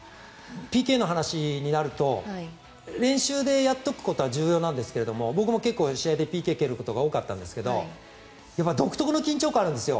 ＰＫの話になると練習でやっておくことは重要なんですが僕も結構試合でＰＫを蹴ることが多かったんですけど独特の緊張感があるんですよ。